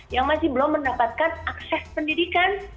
yang masih belum mendapatkan akses pendidikan